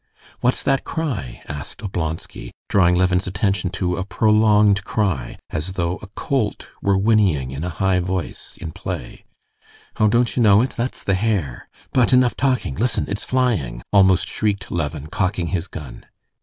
"What's that cry?" asked Oblonsky, drawing Levin's attention to a prolonged cry, as though a colt were whinnying in a high voice, in play. "Oh, don't you know it? That's the hare. But enough talking! Listen, it's flying!" almost shrieked Levin, cocking his gun.